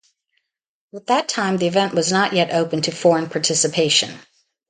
At that time, the event was not yet open to foreign participation.